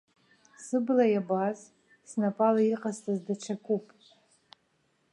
Сыбла иабаз, снапала иҟасҵаз даҽакуп.